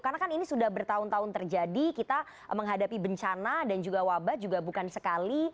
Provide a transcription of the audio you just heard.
karena kan ini sudah bertahun tahun terjadi kita menghadapi bencana dan juga wabah juga bukan sekali